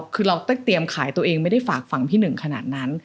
คือเราต้องเตรียมขายตัวเองไม่ได้ฝากฝั่งพี่หนึ่งขนาดนั้น